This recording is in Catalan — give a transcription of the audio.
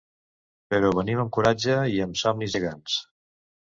Però venim amb coratge i amb somnis gegants.